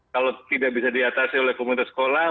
kalau tidak bisa diatasi oleh komunitas sekolah